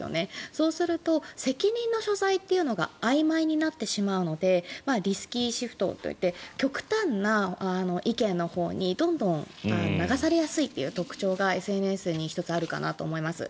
そうすると責任の所在というのがあいまいになってしまうのでリスキーシフトといって極端な意見のほうにどんどん流されやすいという特徴がＳＮＳに１つあると思います。